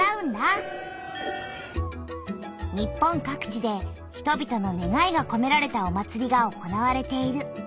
日本かく地で人々の願いがこめられたお祭りが行われている。